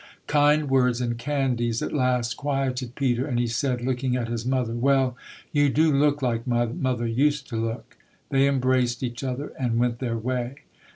Kind words and candies at last quieted Peter and he said, looking at his mother. "Well, you do look like my mother used to look". They embraced each oilier and went their way.